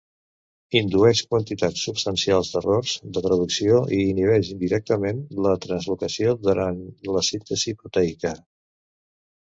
Indueix quantitats substancials d'errors de traducció i inhibeix indirectament la translocació durant la síntesi proteica.